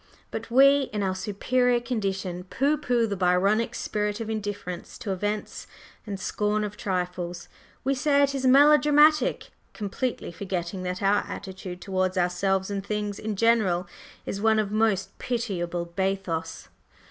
But we, in our "superior" condition, pooh pooh the Byronic spirit of indifference to events and scorn of trifles, we say it is "melodramatic," completely forgetting that our attitude towards ourselves and things in general is one of most pitiable bathos.